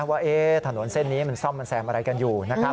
ว่าถนนเส้นนี้มันซ่อมมันแซมอะไรกันอยู่